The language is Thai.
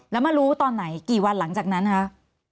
แล้วมารู้ตอนไหนกี่วันหลังจากนั้นคะ